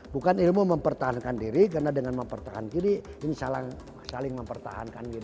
bukan ilmu mempertahankan diri karena dengan mempertahankan diri ini saling mempertahankan diri